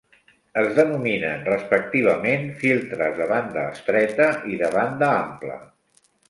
Es denominen respectivament filtres de "banda estreta" i de "banda ampla".